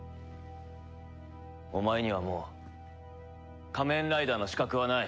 お前にはもう仮面ライダーの資格はない。